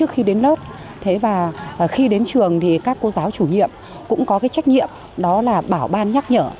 khi đến lớp và khi đến trường thì các cô giáo chủ nhiệm cũng có cái trách nhiệm đó là bảo ban nhắc nhở